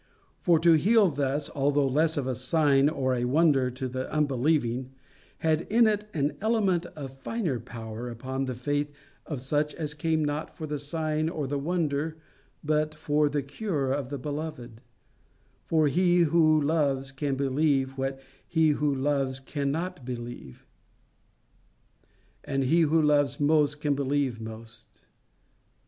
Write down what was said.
For to heal thus, although less of a sign or a wonder to the unbelieving, had in it an element of finer power upon the faith of such as came not for the sign or the wonder, but for the cure of the beloved; for he who loves can believe what he who loves not cannot believe; and he who loves most can believe most.